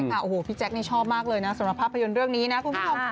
โอ้โหพี่แจ๊คนี่ชอบมากเลยนะสำหรับภาพยนตร์เรื่องนี้นะคุณผู้ชม